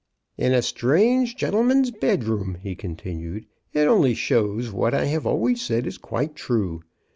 " In a strange gentleman's bedroom !" he continued. "It only shows that what I have always said is quite true.